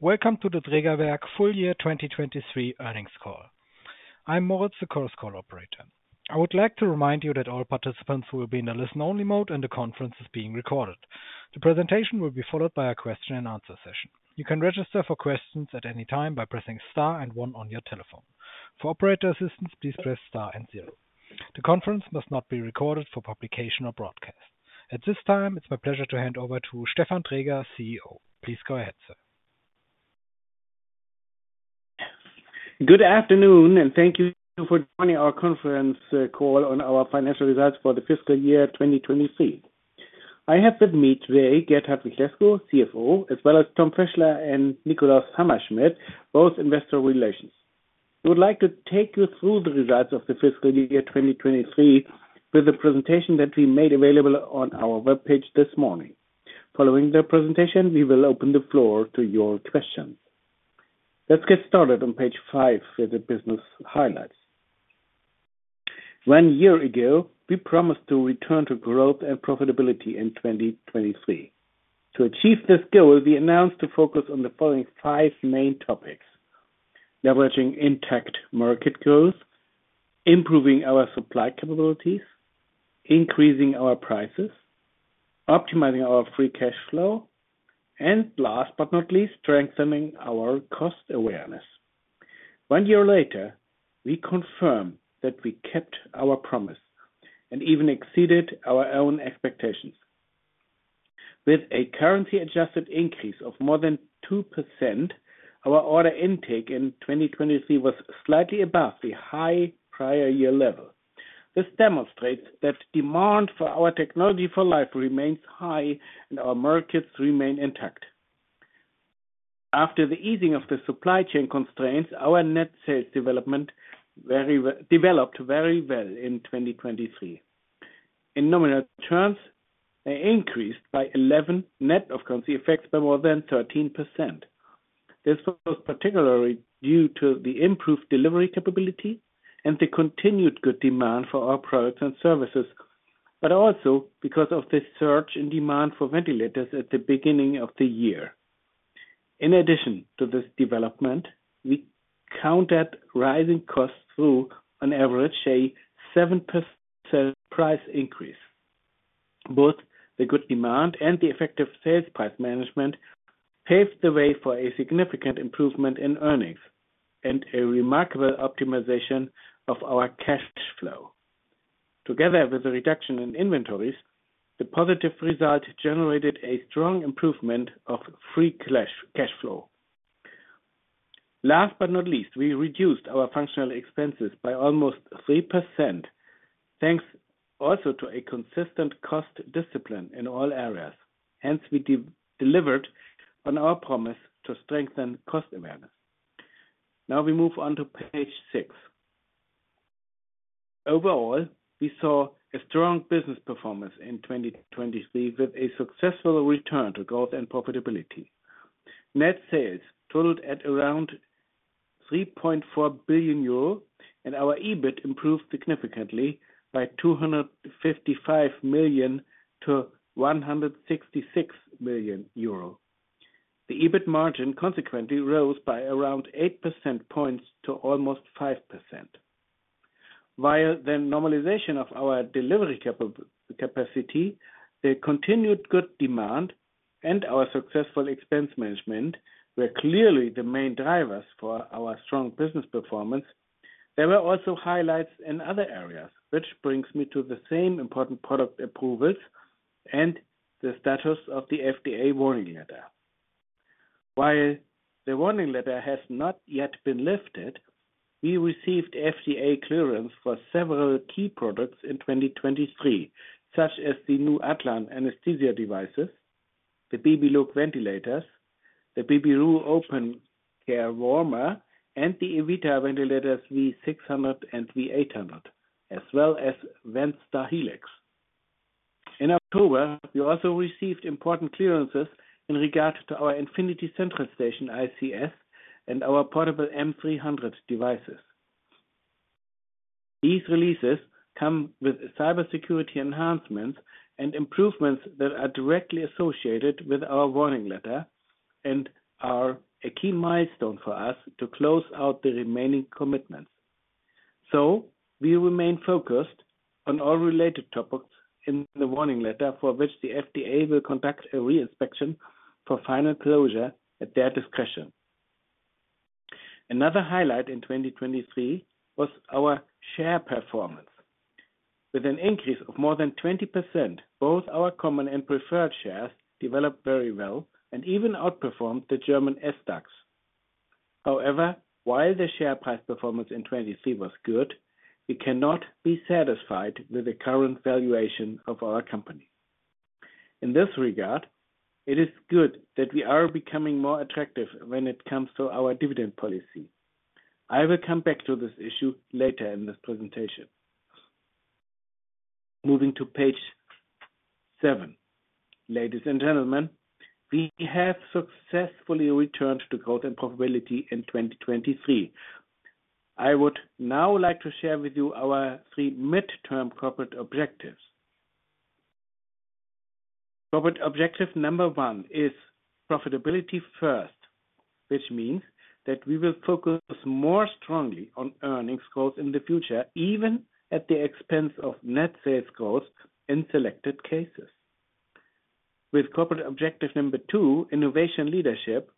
Welcome to the Drägerwerk full year 2023 earnings call. I'm Moritz, the call operator. I would like to remind you that all participants will be in the listen-only mode, and the conference is being recorded. The presentation will be followed by a question-and-answer session. You can register for questions at any time by pressing star and 1 on your telephone. For operator assistance, please press star and 0. The conference must not be recorded for publication or broadcast. At this time, it's my pleasure to hand over to Stefan Dräger, CEO. Please go ahead, sir. Good afternoon, and thank you for joining our conference call on our financial results for the fiscal year 2023. I have with me today Gert-Hartwig Lescow, CFO, as well as Thomas Fischler and Nikolaus Hammerschmidt, both investor relations. We would like to take you through the results of the fiscal year 2023 with a presentation that we made available on our web page this morning. Following the presentation, we will open the floor to your questions. Let's get started on page 5 with the business highlights. One year ago, we promised to return to growth and profitability in 2023. To achieve this goal, we announced to focus on the following five main topics: leveraging intact market growth, improving our supply capabilities, increasing our prices, optimizing our free cash flow, and last but not least, strengthening our cost awareness. One year later, we confirmed that we kept our promise and even exceeded our own expectations. With a currency-adjusted increase of more than 2%, our order intake in 2023 was slightly above the high prior year level. This demonstrates that demand for our technology for life remains high and our markets remain intact. After the easing of the supply chain constraints, our net sales developed very well in 2023. In nominal terms, an increase by 11%, net of currency effects by more than 13%. This was particularly due to the improved delivery capability and the continued good demand for our products and services, but also because of the surge in demand for ventilators at the beginning of the year. In addition to this development, we counted rising costs through, on average, a 7% price increase. Both the good demand and the effective sales price management paved the way for a significant improvement in earnings and a remarkable optimization of our cash flow. Together with the reduction in inventories, the positive result generated a strong improvement of free cash flow. Last but not least, we reduced our functional expenses by almost 3%, thanks also to a consistent cost discipline in all areas. Hence, we delivered on our promise to strengthen cost awareness. Now we move on to page 6. Overall, we saw a strong business performance in 2023 with a successful return to growth and profitability. Net sales totaled at around 3.4 billion euro, and our EBIT improved significantly by 255 million to 166 million euro. The EBIT margin consequently rose by around 8 percentage points to almost 5%. Via the normalization of our delivery capacity, the continued good demand, and our successful expense management were clearly the main drivers for our strong business performance. There were also highlights in other areas, which brings me to some important product approvals and the status of the FDA warning letter. While the warning letter has not yet been lifted, we received FDA clearance for several key products in 2023, such as the new Atlan anesthesia devices, the Babylog ventilators, the Babyroo open care warmer, and the Evita ventilators V600 and V800, as well as VentStar Helix. In October, we also received important clearances in regard to our Infinity CentralStation ICS and our portable M300 devices. These releases come with cybersecurity enhancements and improvements that are directly associated with our warning letter and are a key milestone for us to close out the remaining commitments. So we remain focused on all related topics in the Warning Letter for which the FDA will conduct a reinspection for final closure at their discretion. Another highlight in 2023 was our share performance. With an increase of more than 20%, both our common and preferred shares developed very well and even outperformed the German SDAX. However, while the share price performance in 2023 was good, we cannot be satisfied with the current valuation of our company. In this regard, it is good that we are becoming more attractive when it comes to our dividend policy. I will come back to this issue later in this presentation. Moving to page 7. Ladies and gentlemen, we have successfully returned to growth and profitability in 2023. I would now like to share with you our three mid-term corporate objectives. Corporate objective number one is profitability first, which means that we will focus more strongly on earnings growth in the future, even at the expense of net sales growth in selected cases. With corporate objective number two, innovation leadership,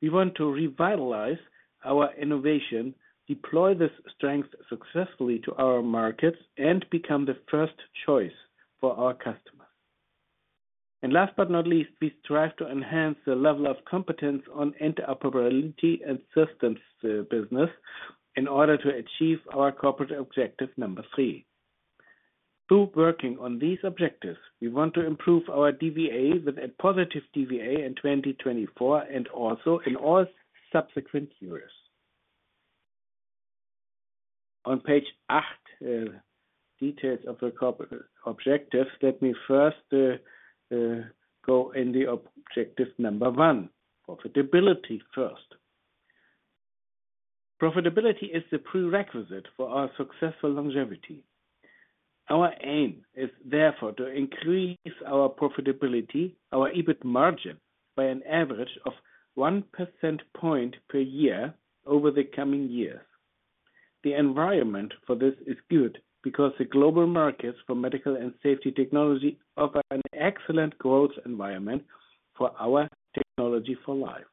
we want to revitalize our innovation, deploy this strength successfully to our markets, and become the first choice for our customers. And last but not least, we strive to enhance the level of competence on interoperability and systems business in order to achieve our corporate objective number three. Through working on these objectives, we want to improve our DVA with a positive DVA in 2024 and also in all subsequent years. On page 8, details of the corporate objectives. Let me first go into the objective number one, profitability first. Profitability is the prerequisite for our successful longevity. Our aim is therefore to increase our profitability, our EBIT margin, by an average of 1 percentage point per year over the coming years. The environment for this is good because the global markets for medical and safety technology offer an excellent growth environment for our Technology for Life.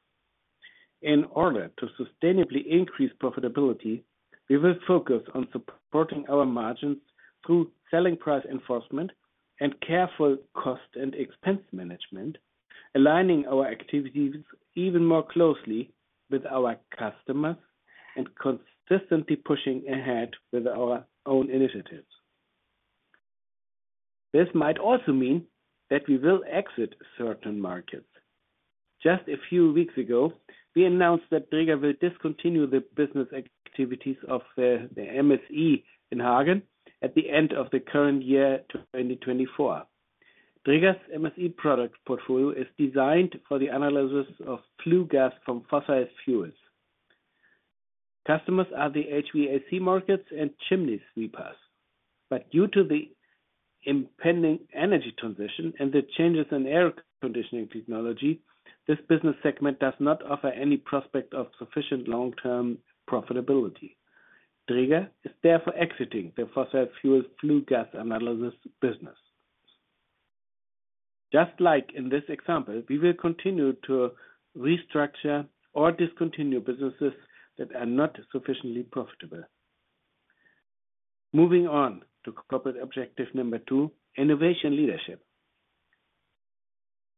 In order to sustainably increase profitability, we will focus on supporting our margins through selling price enforcement and careful cost and expense management, aligning our activities even more closely with our customers and consistently pushing ahead with our own initiatives. This might also mean that we will exit certain markets. Just a few weeks ago, we announced that Dräger will discontinue the business activities of the MSI in Hagen at the end of the current year 2024. Dräger's MSI product portfolio is designed for the analysis of flue gas from fossil fuels. Customers are the HVAC markets and chimney sweepers. But due to the impending energy transition and the changes in air conditioning technology, this business segment does not offer any prospect of sufficient long-term profitability. Dräger is therefore exiting the fossil fuel flue gas analysis business. Just like in this example, we will continue to restructure or discontinue businesses that are not sufficiently profitable. Moving on to corporate objective number two, innovation leadership.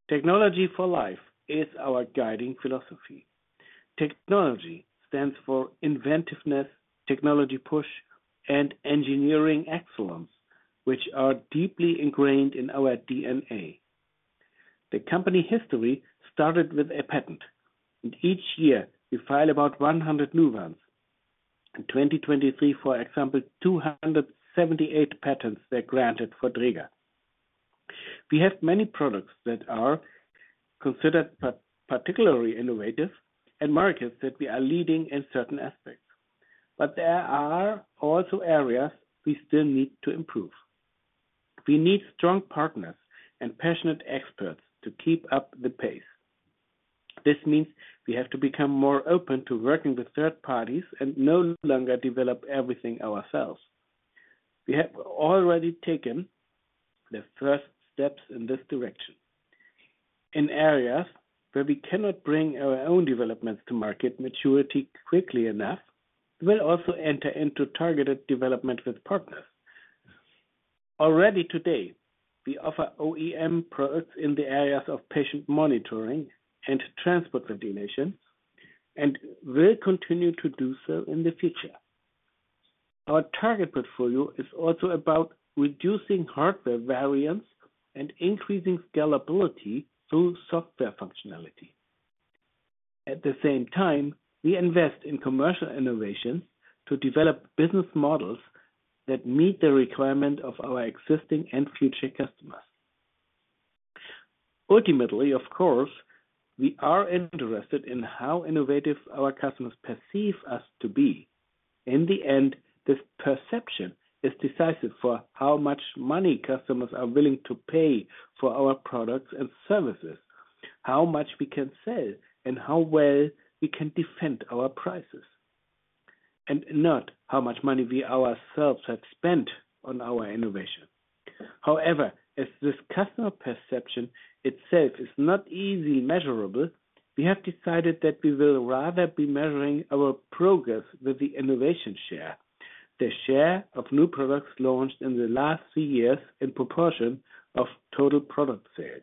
Technology for life is our guiding philosophy. Technology stands for inventiveness, technology push, and engineering excellence, which are deeply ingrained in our DNA. The company history started with a patent, and each year we file about 100 new ones. In 2023, for example, 278 patents were granted for Dräger. We have many products that are considered particularly innovative and markets that we are leading in certain aspects. But there are also areas we still need to improve. We need strong partners and passionate experts to keep up the pace. This means we have to become more open to working with third parties and no longer develop everything ourselves. We have already taken the first steps in this direction. In areas where we cannot bring our own developments to market maturity quickly enough, we will also enter into targeted development with partners. Already today, we offer OEM products in the areas of patient monitoring and transport ventilations and will continue to do so in the future. Our target portfolio is also about reducing hardware variants and increasing scalability through software functionality. At the same time, we invest in commercial innovations to develop business models that meet the requirement of our existing and future customers. Ultimately, of course, we are interested in how innovative our customers perceive us to be. In the end, this perception is decisive for how much money customers are willing to pay for our products and services, how much we can sell, and how well we can defend our prices, and not how much money we ourselves have spent on our innovation. However, as this customer perception itself is not easily measurable, we have decided that we will rather be measuring our progress with the innovation share, the share of new products launched in the last three years in proportion of total product sales.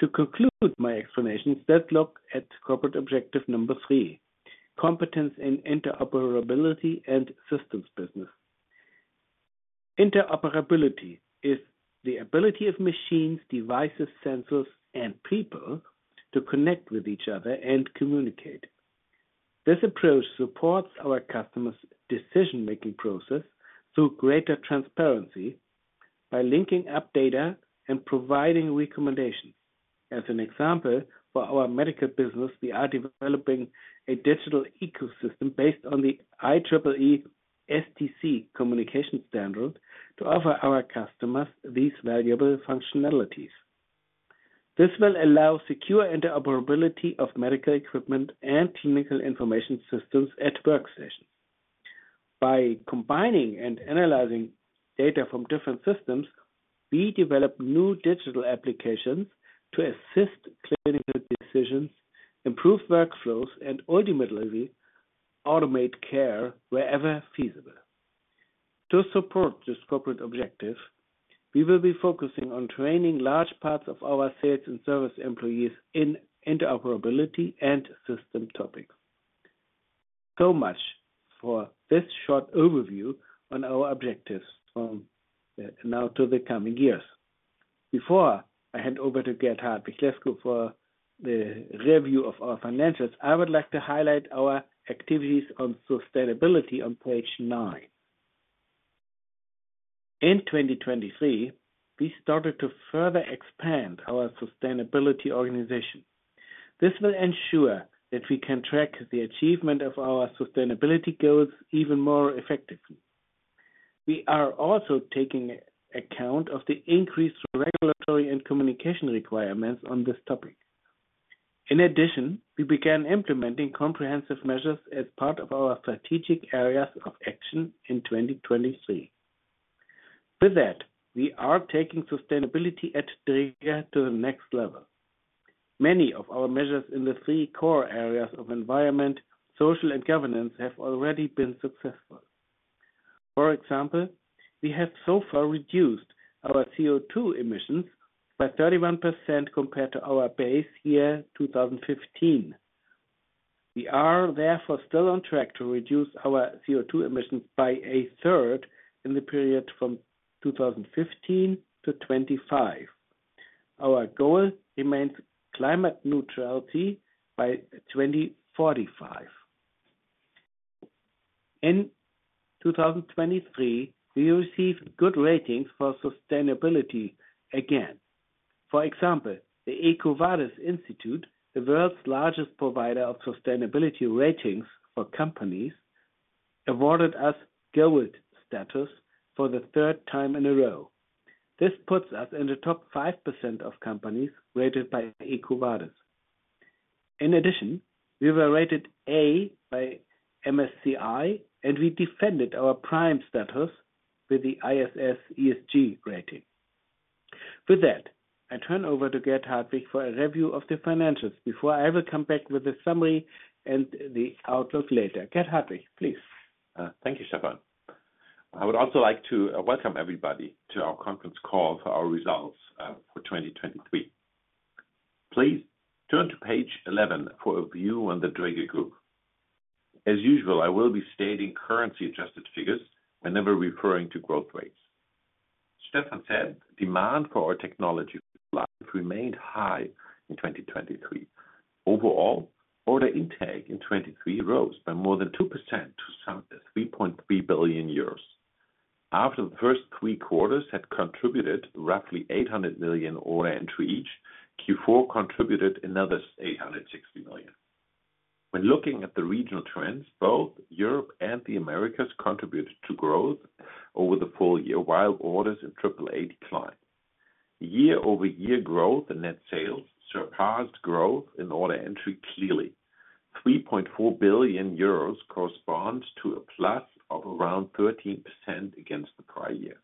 To conclude my explanations, let's look at corporate objective number three, competence in interoperability and systems business. Interoperability is the ability of machines, devices, sensors, and people to connect with each other and communicate. This approach supports our customers' decision-making process through greater transparency by linking up data and providing recommendations. As an example, for our medical business, we are developing a digital ecosystem based on the IEEE SDC communication standard to offer our customers these valuable functionalities. This will allow secure interoperability of medical equipment and clinical information systems at workstations. By combining and analyzing data from different systems, we develop new digital applications to assist clinical decisions, improve workflows, and ultimately automate care wherever feasible. To support this corporate objective, we will be focusing on training large parts of our sales and service employees in interoperability and system topics. So much for this short overview on our objectives from now to the coming years. Before I hand over to Gert-Hartwig Lescow for the review of our financials, I would like to highlight our activities on sustainability on page 9. In 2023, we started to further expand our sustainability organization. This will ensure that we can track the achievement of our sustainability goals even more effectively. We are also taking account of the increased regulatory and communication requirements on this topic. In addition, we began implementing comprehensive measures as part of our strategic areas of action in 2023. With that, we are taking sustainability at Dräger to the next level. Many of our measures in the three core areas of environment, social, and governance have already been successful. For example, we have so far reduced our CO2 emissions by 31% compared to our base year 2015. We are therefore still on track to reduce our CO2 emissions by a third in the period from 2015 to 2025. Our goal remains climate neutrality by 2045. In 2023, we received good ratings for sustainability again. For example, the EcoVadis Institute, the world's largest provider of sustainability ratings for companies, awarded us Gold status for the third time in a row. This puts us in the top 5% of companies rated by EcoVadis. In addition, we were rated A by MSCI, and we defended our prime status with the ISS ESG rating. With that, I turn over to Gert-Hartwig for a review of the financials before I will come back with the summary and the outlook later. Gert-Hartwig, please. Thank you, Stefan. I would also like to welcome everybody to our conference call for our results for 2023. Please turn to page 11 for a view on the Dräger Group. As usual, I will be stating currency-adjusted figures whenever referring to growth rates. Stefan said demand for our technology for life remained high in 2023. Overall, order intake in 2023 rose by more than 2% to 3.3 billion euros. After the first three quarters had contributed roughly 800 million order entries each, Q4 contributed another 860 million. When looking at the regional trends, both Europe and the Americas contributed to growth over the full year, while orders in AAA declined. Year-over-year growth and net sales surpassed growth in order entry clearly. 3.4 billion euros corresponds to a plus of around 13% against the prior year.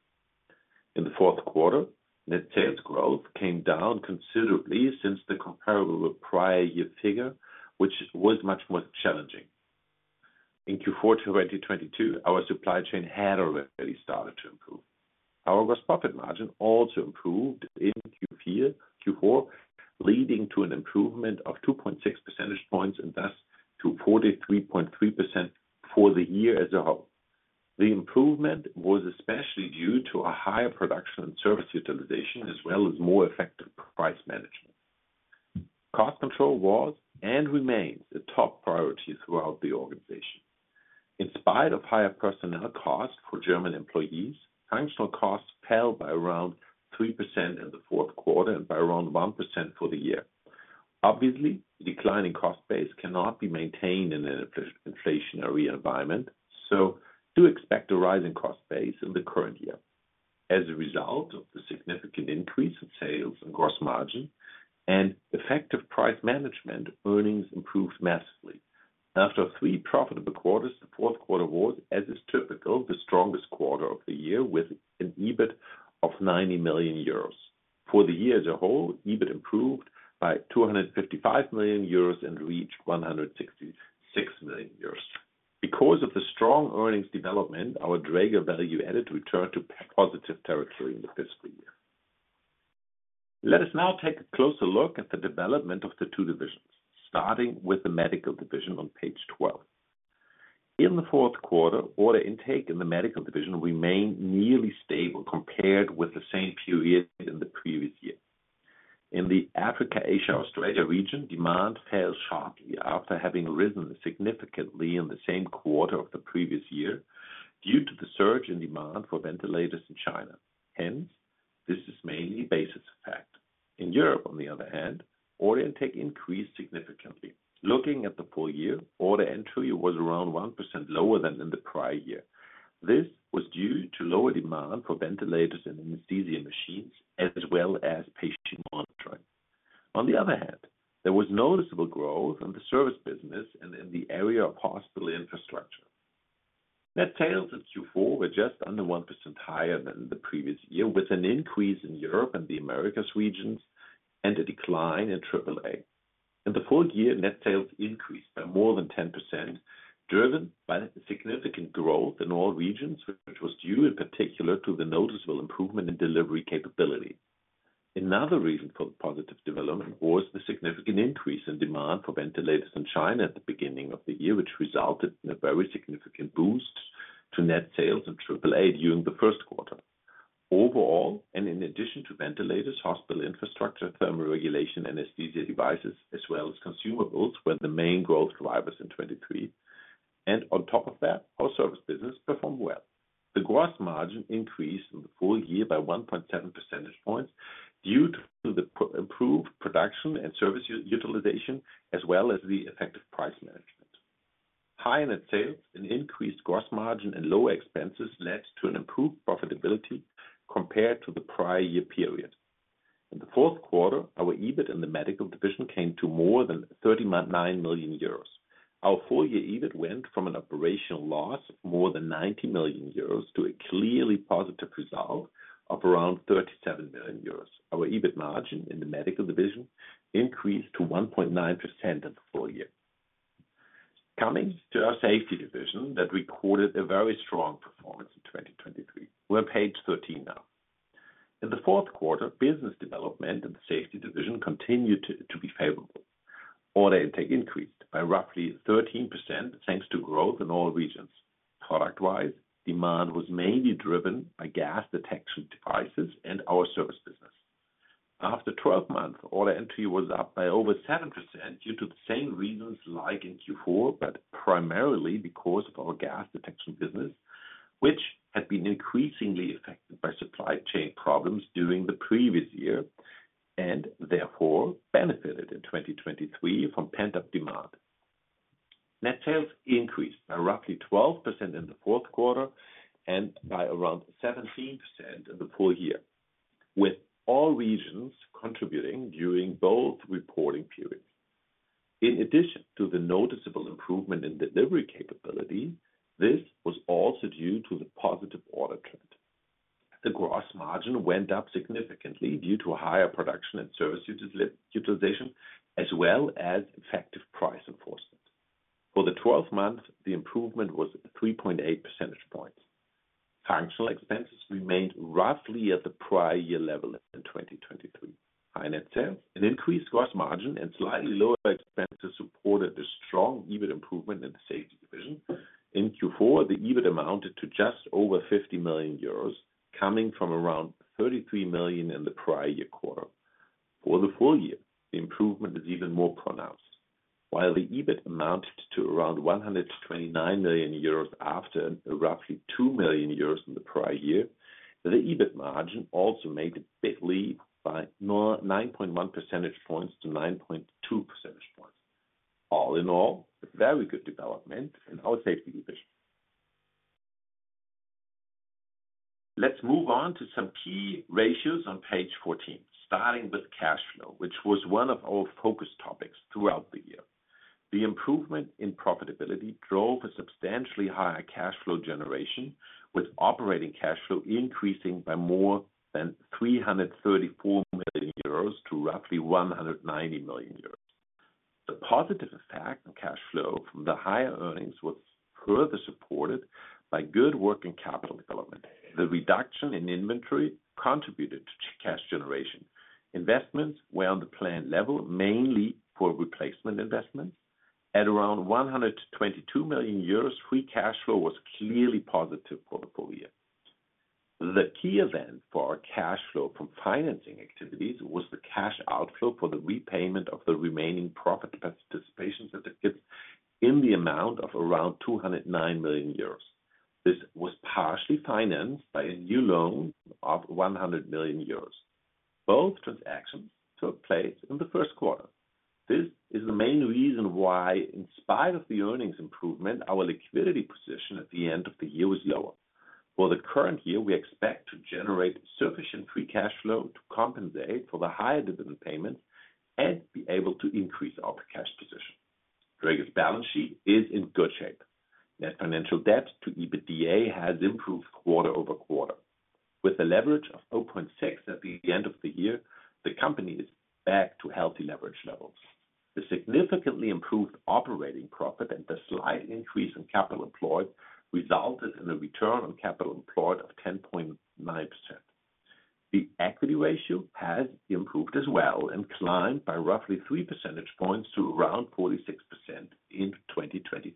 In the fourth quarter, net sales growth came down considerably since the comparable prior year figure, which was much more challenging. In Q4 2022, our supply chain had already started to improve. Our gross profit margin also improved in Q4, leading to an improvement of 2.6 percentage points and thus to 43.3% for the year as a whole. The improvement was especially due to a higher production and service utilization as well as more effective price management. Cost control was and remains a top priority throughout the organization. In spite of higher personnel costs for German employees, functional costs fell by around 3% in the fourth quarter and by around 1% for the year. Obviously, a declining cost base cannot be maintained in an inflationary environment, so do expect a rising cost base in the current year. As a result of the significant increase in sales and gross margin and effective price management, earnings improved massively. After three profitable quarters, the fourth quarter was, as is typical, the strongest quarter of the year with an EBIT of 90 million euros. For the year as a whole, EBIT improved by 255 million euros and reached 166 million euros. Because of the strong earnings development, our Dräger Value Added returned to positive territory in the fiscal year. Let us now take a closer look at the development of the two divisions, starting with the medical division on page 12. In the fourth quarter, order intake in the medical division remained nearly stable compared with the same period in the previous year. In the Africa, Asia, Australia region, demand fell sharply after having risen significantly in the same quarter of the previous year due to the surge in demand for ventilators in China. Hence, this is mainly base effect. In Europe, on the other hand, order intake increased significantly. Looking at the full year, order entry was around 1% lower than in the prior year. This was due to lower demand for ventilators and anesthesia machines as well as patient monitoring. On the other hand, there was noticeable growth in the service business and in the area of hospital infrastructure. Net sales in Q4 were just under 1% higher than the previous year with an increase in Europe and the Americas regions and a decline in AAA. In the full year, net sales increased by more than 10% driven by significant growth in all regions, which was due in particular to the noticeable improvement in delivery capability. Another reason for the positive development was the significant increase in demand for ventilators in China at the beginning of the year, which resulted in a very significant boost to net sales of AAA during the first quarter. Overall, and in addition to ventilators, hospital infrastructure, thermal regulation, anesthesia devices, as well as consumables were the main growth drivers in 2023. And on top of that, our service business performed well. The gross margin increased in the full year by 1.7 percentage points due to the improved production and service utilization as well as the effective price management. High net sales, an increased gross margin, and lower expenses led to an improved profitability compared to the prior year period. In the fourth quarter, our EBIT in the medical division came to more than 39 million euros. Our full year EBIT went from an operational loss of more than 90 million euros to a clearly positive result of around 37 million euros. Our EBIT margin in the medical division increased to 1.9% in the full year. Coming to our safety division that recorded a very strong performance in 2023. We're on page 13 now. In the fourth quarter, business development in the safety division continued to be favorable. Order intake increased by roughly 13% thanks to growth in all regions. Product-wise, demand was mainly driven by gas detection devices and our service business. After 12 months, order entry was up by over 7% due to the same reasons like in Q4, but primarily because of our gas detection business, which had been increasingly affected by supply chain problems during the previous year and therefore benefited in 2023 from pent-up demand. Net sales increased by roughly 12% in the fourth quarter and by around 17% in the full year, with all regions contributing during both reporting periods. In addition to the noticeable improvement in delivery capability, this was also due to the positive order trend. The gross margin went up significantly due to higher production and service utilization as well as effective price enforcement. For the 12th month, the improvement was 3.8 percentage points. Functional expenses remained roughly at the prior year level in 2023. High net sales, an increased gross margin, and slightly lower expenses supported a strong EBIT improvement in the safety division. In Q4, the EBIT amounted to just over 50 million euros, coming from around 33 million in the prior year quarter. For the full year, the improvement is even more pronounced. While the EBIT amounted to around 129 million euros after roughly 2 million euros in the prior year, the EBIT margin also made a big leap by 9.1 percentage points to 9.2 percentage points. All in all, very good development in our safety division. Let's move on to some key ratios on page 14, starting with cash flow, which was one of our focus topics throughout the year. The improvement in profitability drove a substantially higher cash flow generation, with operating cash flow increasing by more than 334 million euros to roughly 190 million euros. The positive effect on cash flow from the higher earnings was further supported by good working capital development. The reduction in inventory contributed to cash generation. Investments were on the planned level, mainly for replacement investments. At around 122 million euros, free cash flow was clearly positive for the full year. The key event for our cash flow from financing activities was the cash outflow for the repayment of the remaining profit participation certificates in the amount of around 209 million euros. This was partially financed by a new loan of 100 million euros. Both transactions took place in the first quarter. This is the main reason why, in spite of the earnings improvement, our liquidity position at the end of the year was lower. For the current year, we expect to generate sufficient free cash flow to compensate for the higher dividend payments and be able to increase our cash position. Dräger's balance sheet is in good shape. Net financial debt to EBITDA has improved quarter-over-quarter. With a leverage of 0.6 at the end of the year, the company is back to healthy leverage levels. The significantly improved operating profit and the slight increase in capital employed resulted in a return on capital employed of 10.9%. The equity ratio has improved as well and climbed by roughly 3 percentage points to around 46% in 2023.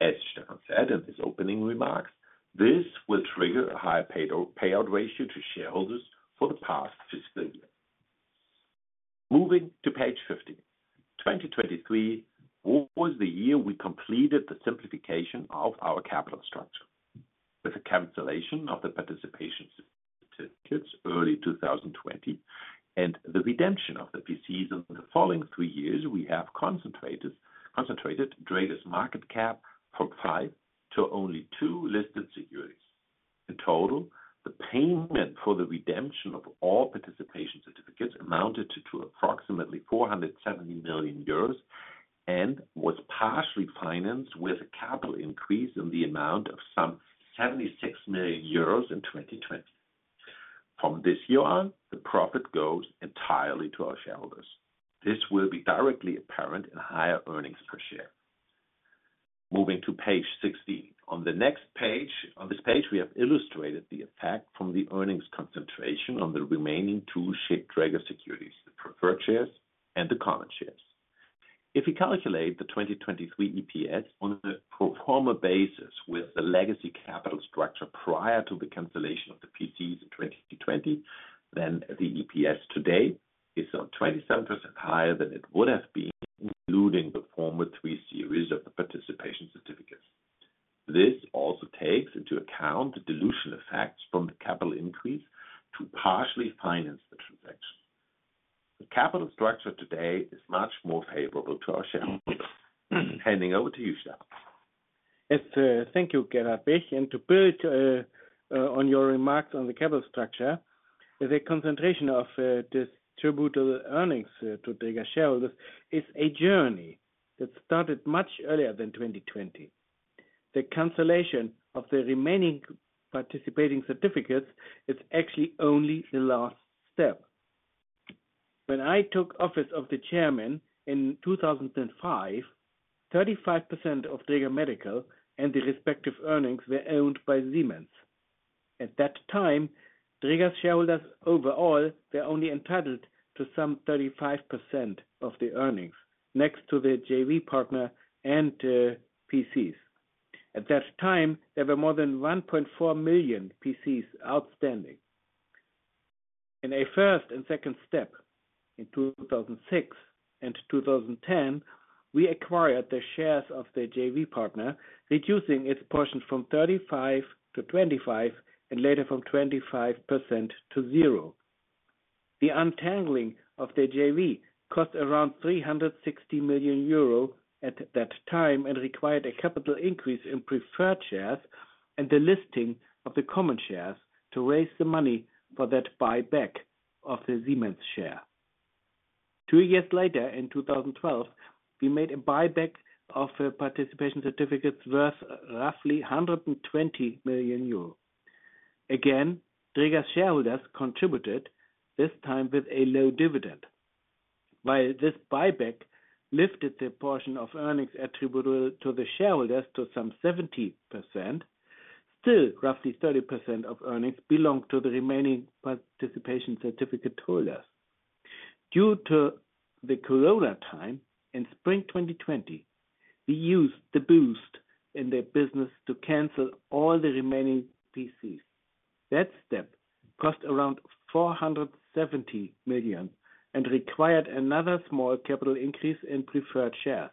As Stefan said in his opening remarks, this will trigger a higher payout ratio to shareholders for the past fiscal year. Moving to page 15. 2023 was the year we completed the simplification of our capital structure. With the cancellation of the participation certificates early 2020 and the redemption of the PCs in the following three years, we have concentrated Dräger's market cap from five to only two listed securities. In total, the payment for the redemption of all participation certificates amounted to approximately 470 million euros and was partially financed with a capital increase in the amount of some 76 million euros in 2020. From this year on, the profit goes entirely to our shareholders. This will be directly apparent in higher earnings per share. Moving to page 16. On the next page, on this page, we have illustrated the effect from the earnings concentration on the remaining two listed Dräger securities, the preferred shares and the common shares. If we calculate the 2023 EPS on a pro forma basis with the legacy capital structure prior to the cancellation of the PCs in 2020, then the EPS today is 27% higher than it would have been, including the former three series of the participation certificates. This also takes into account the dilution effects from the capital increase to partially finance the transaction. The capital structure today is much more favorable to our shareholders. Handing over to you, Stefan. Yes, thank you, Gert-Hartwig. And to build on your remarks on the capital structure, the concentration of distributed earnings to Dräger shareholders is a journey that started much earlier than 2020. The cancellation of the remaining participation certificates is actually only the last step. When I took office as the chairman in 2005, 35% of Dräger Medical and the respective earnings were owned by Siemens. At that time, Dräger's shareholders overall were only entitled to some 35% of the earnings next to the JV partner and PCs. At that time, there were more than 1.4 million PCs outstanding. In a first and second step, in 2006 and 2010, we acquired the shares of the JV partner, reducing its portion from 35 to 25 and later from 25% to zero. The untangling of the JV cost around 360 million euro at that time and required a capital increase in preferred shares and the listing of the common shares to raise the money for that buyback of the Siemens share. Two years later, in 2012, we made a buyback of participation certificates worth roughly 120 million euro. Again, Dräger's shareholders contributed, this time with a low dividend. While this buyback lifted the portion of earnings attributable to the shareholders to some 70%, still roughly 30% of earnings belonged to the remaining participation certificate holders. Due to the corona time in spring 2020, we used the boost in their business to cancel all the remaining PCs. That step cost around 470 million and required another small capital increase in preferred shares.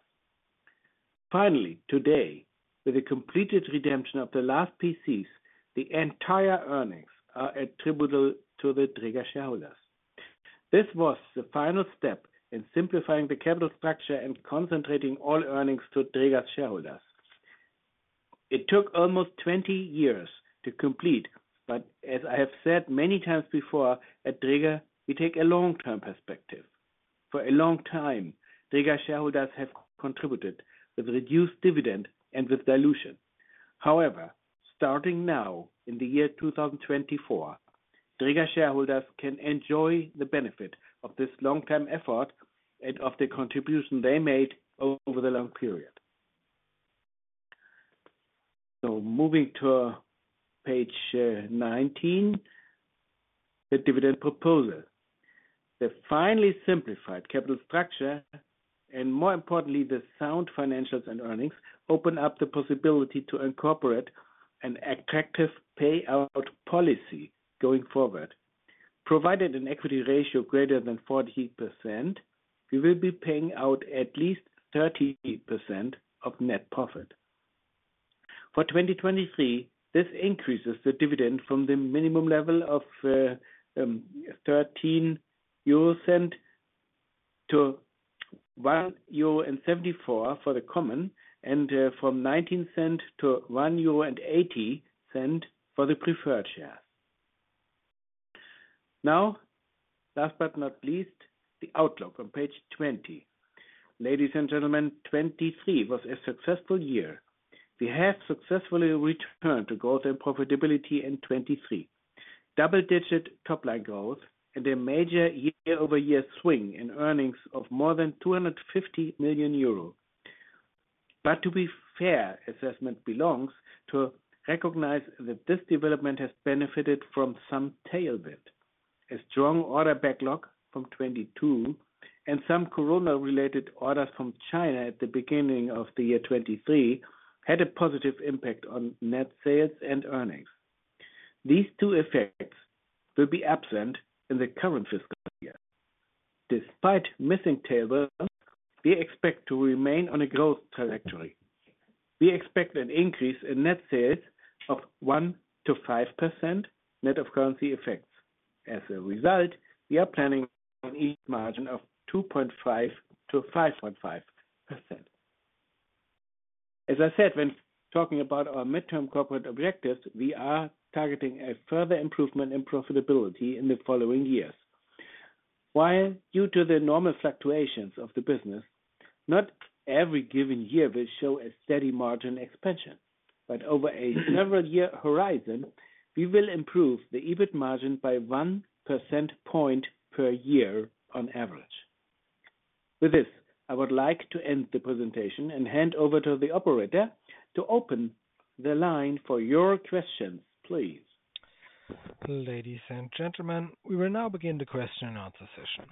Finally, today, with the completed redemption of the last PCs, the entire earnings are attributable to the Dräger shareholders. This was the final step in simplifying the capital structure and concentrating all earnings to Dräger's shareholders. It took almost 20 years to complete, but as I have said many times before, at Dräger, we take a long-term perspective. For a long time, Dräger shareholders have contributed with reduced dividend and with dilution. However, starting now in the year 2024, Dräger shareholders can enjoy the benefit of this long-term effort and of the contribution they made over the long period. So moving to page 19, the dividend proposal. The finely simplified capital structure and, more importantly, the sound financials and earnings open up the possibility to incorporate an attractive payout policy going forward. Provided an equity ratio greater than 40%, we will be paying out at least 30% of net profit. For 2023, this increases the dividend from the minimum level of 0.13 to 1.74 euro for the common and from 0.19 to 1.80 euro for the preferred shares. Now, last but not least, the outlook on page 20. Ladies and gentlemen, 2023 was a successful year. We have successfully returned to growth and profitability in 2023. Double-digit top-line growth and a major year-over-year swing in earnings of more than 250 million euro. But to be fair, it is important to recognize that this development has benefited from some tailwind. A strong order backlog from 2022 and some corona-related orders from China at the beginning of the year 2023 had a positive impact on net sales and earnings. These two effects will be absent in the current fiscal year. Despite missing tailwinds, we expect to remain on a growth trajectory. We expect an increase in net sales of 1%-5% net of currency effects. As a result, we are planning on an EBIT margin of 2.5%-5.5%. As I said, when talking about our midterm corporate objectives, we are targeting a further improvement in profitability in the following years. While due to the normal fluctuations of the business, not every given year will show a steady margin expansion, but over a several-year horizon, we will improve the EBIT margin by 1 percentage point per year on average. With this, I would like to end the presentation and hand over to the operator to open the line for your questions, please. Ladies and gentlemen, we will now begin the question and answer session.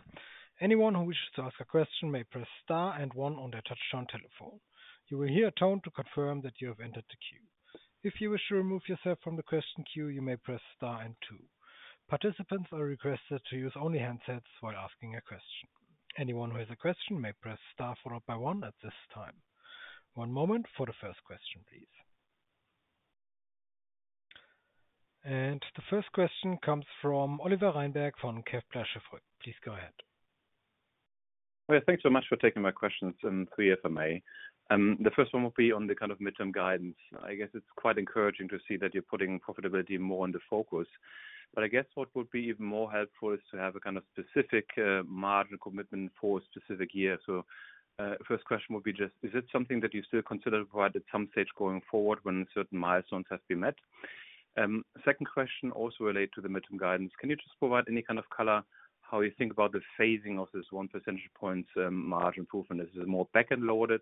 Anyone who wishes to ask a question may press star and one on their touchscreen telephone. You will hear a tone to confirm that you have entered the queue. If you wish to remove yourself from the question queue, you may press star and two. Participants are requested to use only handsets while asking a question. Anyone who has a question may press star followed by one at this time. One moment for the first question, please. And the first question comes from Oliver Reinberg from Kepler Cheuvreux. Please go ahead. Thanks so much for taking my questions. I have three. The first one will be on the kind of midterm guidance. I guess it's quite encouraging to see that you're putting profitability more in the focus. But I guess what would be even more helpful is to have a kind of specific margin commitment for a specific year. So first question would be just, is it something that you still consider to provide at some stage going forward when certain milestones have been met? Second question also relates to the midterm guidance. Can you just provide any kind of color how you think about the phasing of this 1 percentage point margin improvement? Is it more back-and-loaded?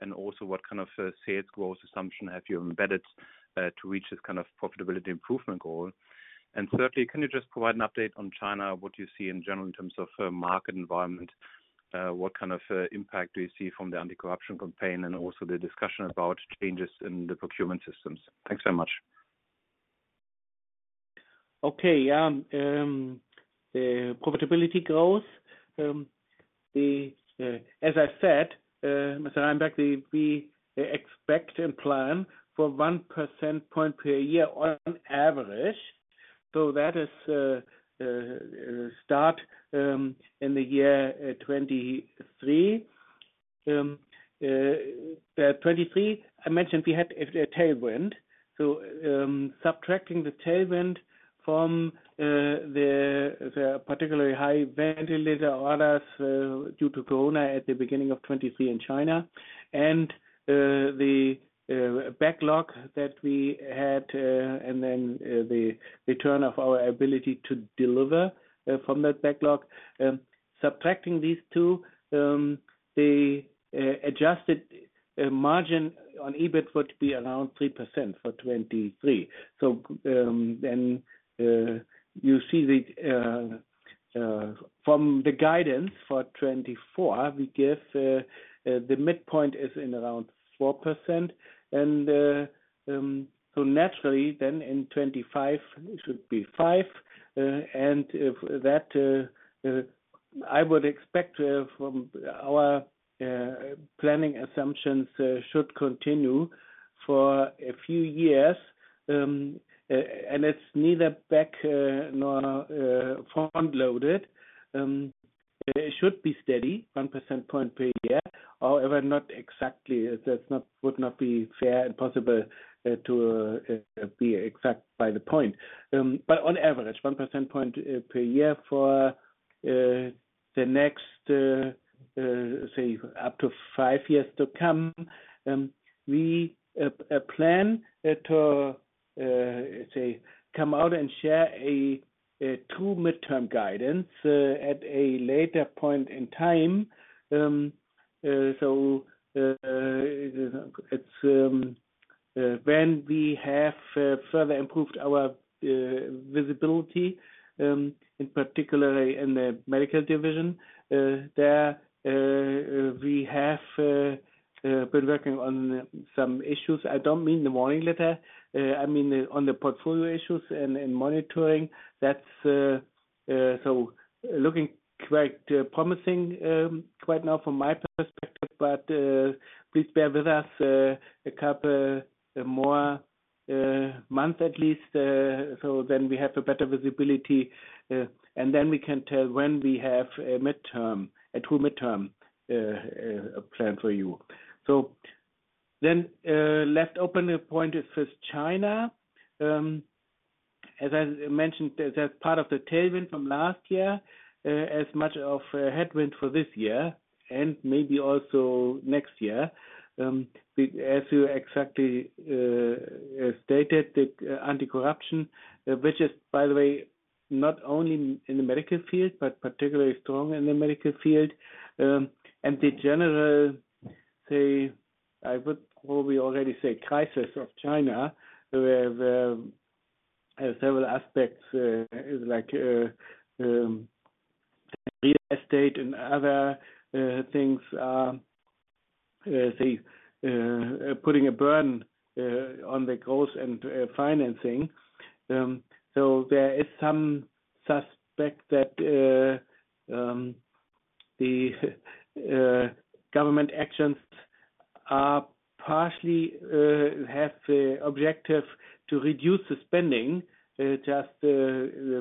And also, what kind of sales growth assumption have you embedded to reach this kind of profitability improvement goal? Thirdly, can you just provide an update on China, what you see in general in terms of market environment? What kind of impact do you see from the anti-corruption campaign and also the discussion about changes in the procurement systems? Thanks very much. Okay. The profitability growth. As I said, Mr. Reinberg, we expect and plan for 1 percentage point per year on average. So that starts in the year 2023. 2023, I mentioned we had a tailwind. So subtracting the tailwind from the particularly high ventilator orders due to corona at the beginning of 2023 in China and the backlog that we had and then the return of our ability to deliver from that backlog, subtracting these two, the adjusted margin on EBIT would be around 3% for 2023. So then you see from the guidance for 2024, we give the midpoint is in around 4%. And so naturally, then in 2025, it should be 5%. And that I would expect from our planning assumptions should continue for a few years. And it's neither back nor front-loaded. It should be steady, 1 percentage point per year. However, not exactly. That would not be fair and possible to be exact by the point. But on average, 1 percentage point per year for the next, say, up to five years to come, we plan to, say, come out and share a true mid-term guidance at a later point in time. So it's when we have further improved our visibility, in particular in the medical division, there we have been working on some issues. I don't mean the Warning Letter. I mean on the portfolio issues and monitoring. So looking quite promising quite now from my perspective. But please bear with us a couple more months at least so then we have a better visibility. And then we can tell when we have a midterm, a true midterm plan for you. So then left open a point is for China. As I mentioned, as part of the tailwind from last year, as much of headwind for this year and maybe also next year. As you exactly stated, the anti-corruption, which is, by the way, not only in the medical field but particularly strong in the medical field. And the general, say, I would probably already say crisis of China where several aspects like real estate and other things are, say, putting a burden on the growth and financing. So there is some suspicion that the government actions are partially have the objective to reduce the spending just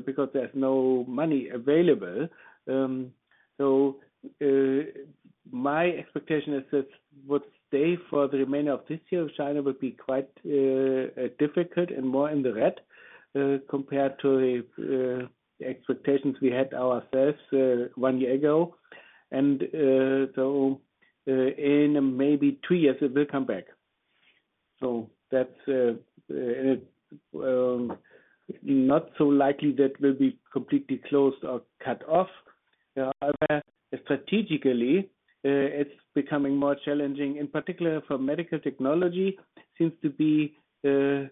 because there's no money available. So my expectation is that what stayed for the remainder of this year of China would be quite difficult and more in the red compared to the expectations we had ourselves one year ago. And so in maybe two years, it will come back. So that's not so likely that it will be completely closed or cut off. However, strategically, it's becoming more challenging, in particular for medical technology, seems to be the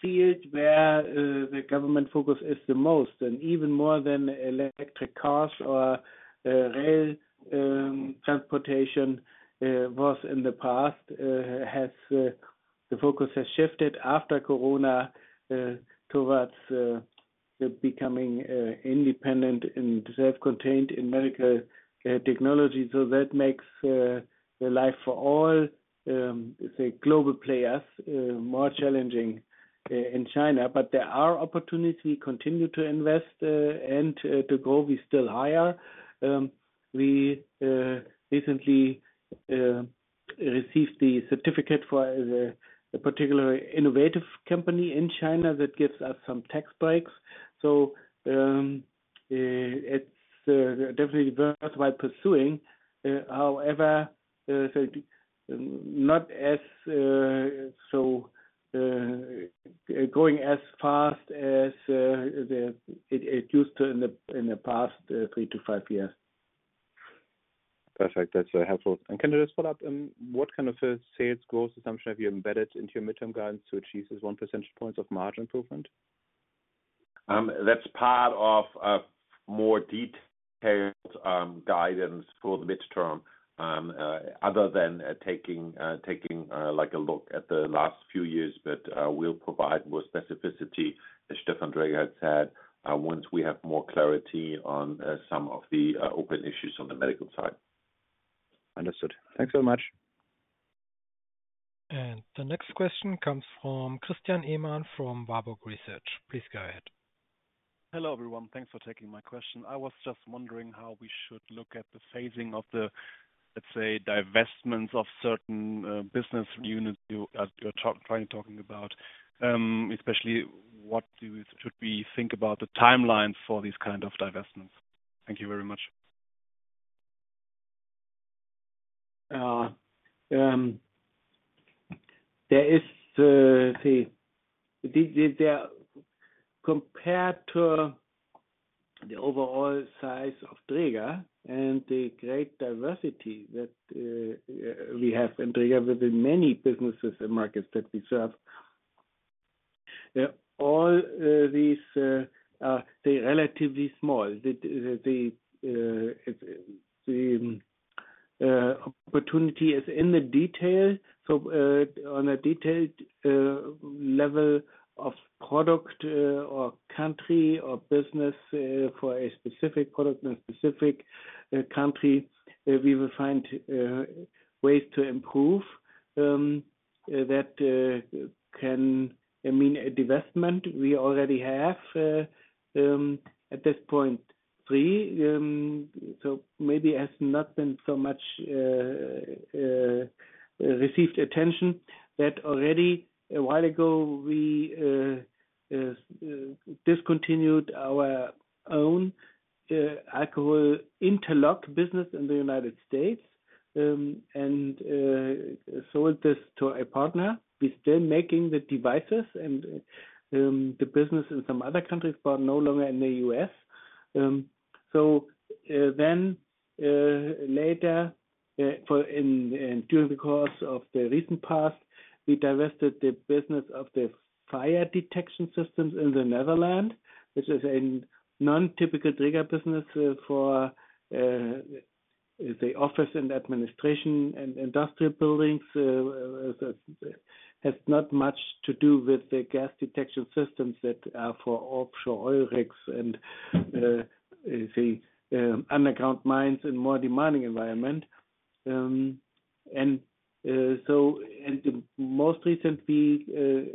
field where the government focus is the most and even more than electric cars or rail transportation was in the past. The focus has shifted after corona towards becoming independent and self-contained in medical technology. So that makes life for all, say, global players more challenging in China. But there are opportunities. We continue to invest and to grow, we still hire. We recently received the certificate for a particular innovative company in China that gives us some tax breaks. So it's definitely worthwhile pursuing. However, not going as fast as it used to in the past three to five years. Perfect. That's helpful. Can you just follow up? What kind of sales growth assumption have you embedded into your midterm guidance to achieve this one percentage point of margin improvement? That's part of more detailed guidance for the midterm other than taking a look at the last few years. But we'll provide more specificity, as Stefan Dräger had said, once we have more clarity on some of the open issues on the medical side. Understood. Thanks so much. The next question comes from Christian Ehmann from Warburg Research. Please go ahead. Hello, everyone. Thanks for taking my question. I was just wondering how we should look at the phasing of the, let's say, divestments of certain business units you're trying to talk about, especially what should we think about the timelines for these kind of divestments? Thank you very much. There is, say, compared to the overall size of Dräger and the great diversity that we have in Dräger with the many businesses and markets that we serve, all these are relatively small. The opportunity is in the detail. So on a detailed level of product or country or business for a specific product in a specific country, we will find ways to improve that can mean a divestment. We already have at this point three. So maybe it has not been so much received attention that already a while ago, we discontinued our own alcohol interlock business in the United States and sold this to a partner. We're still making the devices and the business in some other countries but no longer in the US. So then later, during the course of the recent past, we divested the business of the fire detection systems in the Netherlands, which is a non-typical Dräger business for, say, office and administration and industrial buildings. It has not much to do with the gas detection systems that are for offshore oil rigs and, say, underground mines in a more demanding environment. And the most recent, we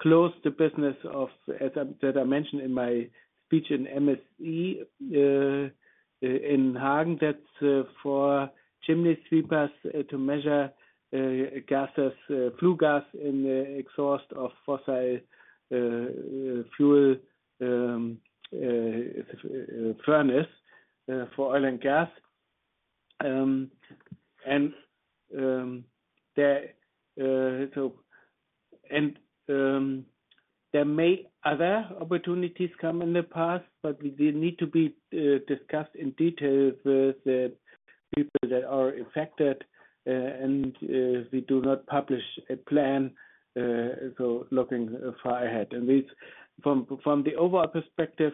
closed the business of, as I mentioned in my speech in MSE in Hagen, that's for chimney sweepers to measure flue gas in the exhaust of fossil fuel furnace for oil and gas. There may other opportunities come in the past, but they need to be discussed in detail with the people that are affected. We do not publish a plan so looking far ahead. From the overall perspective,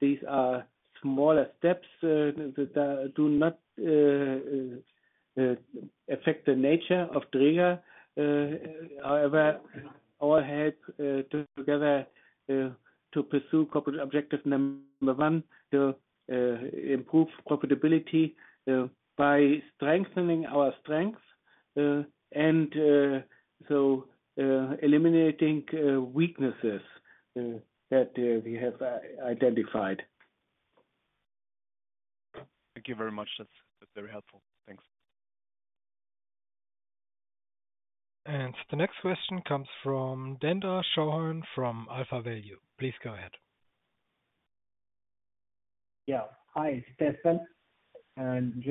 these are smaller steps that do not affect the nature of Dräger. However, all help together to pursue corporate objective number one, to improve profitability by strengthening our strengths and so eliminating weaknesses that we have identified. Thank you very much. That's very helpful. Thanks. And the next question comes from Utkarsh Denda from AlphaValue. Please go ahead. Yeah. Hi, Stefan. And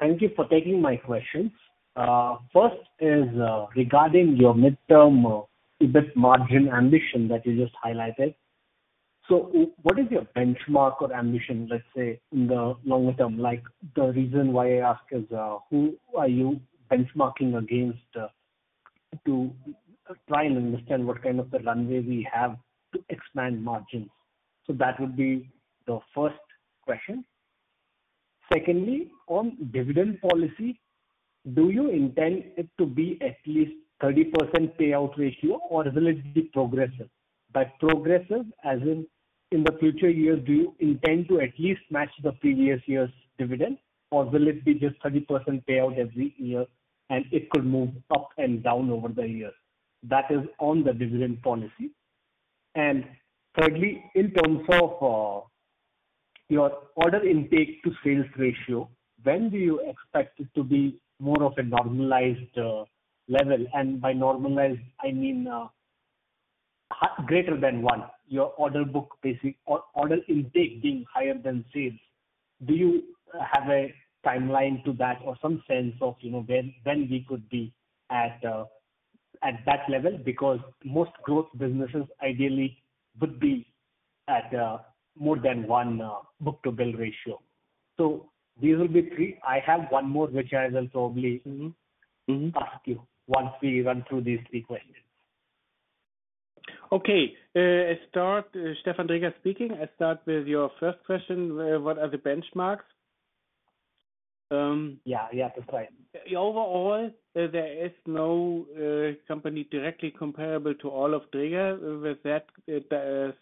thank you for taking my questions. First is regarding your midterm EBIT margin ambition that you just highlighted. So what is your benchmark or ambition, let's say, in the longer term? The reason why I ask is, who are you benchmarking against to try and understand what kind of a runway we have to expand margins? So that would be the first question. Secondly, on dividend policy, do you intend it to be at least 30% payout ratio, or will it be progressive? By progressive, as in in the future years, do you intend to at least match the previous year's dividend, or will it be just 30% payout every year and it could move up and down over the years? That is on the dividend policy. And thirdly, in terms of your order intake to sales ratio, when do you expect it to be more of a normalized level? And by normalized, I mean greater than one, your order book basic order intake being higher than sales. Do you have a timeline to that or some sense of when we could be at that level? Because most growth businesses, ideally, would be at more than one book-to-bill ratio. So these will be three. I have one more, which I will probably ask you once we run through these three questions. Okay. Stefan Dräger speaking. I start with your first question. What are the benchmarks? Yeah. Yeah. That's right. Overall, there is no company directly comparable to all of Dräger with that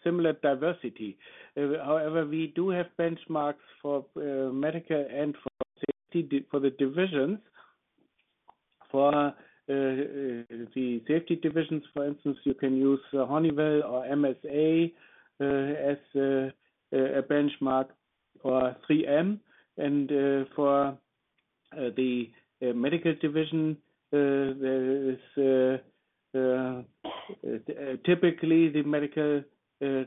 similar diversity. However, we do have benchmarks for medical and for safety for the divisions. For the safety divisions, for instance, you can use Honeywell or MSA as a benchmark or 3M. And for the medical division, there is typically the medical